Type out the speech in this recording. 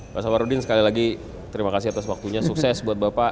pak safarudin sekali lagi terima kasih atas waktunya sukses buat bapak